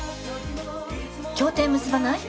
協定結ばない？